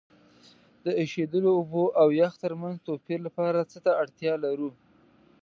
د ایشیدلو اوبو او یخ ترمنځ توپیر لپاره څه ته اړتیا لرو؟